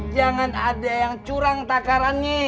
jangan ada yang curang takarannya